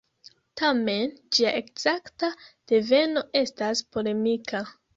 Tamen ĝia ekzakta deveno estas polemika.